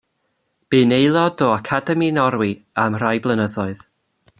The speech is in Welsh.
Bu'n aelod o Academi Norwy am rai blynyddoedd.